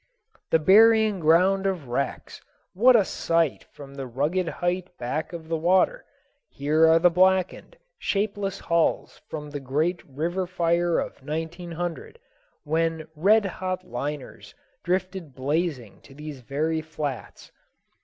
The burying ground of wrecks! What a sight from the rugged height back of the water! Here are blackened, shapeless hulks from the great river fire of 1900, when red hot liners drifted blazing to these very flats.